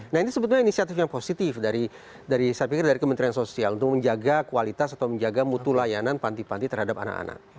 nah ini sebetulnya inisiatif yang positif dari saya pikir dari kementerian sosial untuk menjaga kualitas atau menjaga mutu layanan panti panti terhadap anak anak